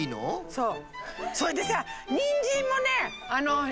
そう。